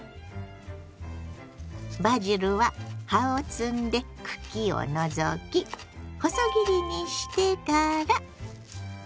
バジルは葉を摘んで茎を除き細切りにしてから。